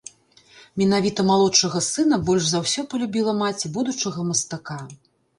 Менавіта малодшага сына больш за ўсё палюбіла маці будучага мастака.